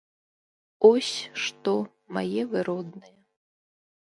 Ось што, мае вы родныя.